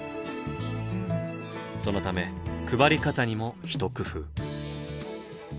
そのため配り方にも一工夫。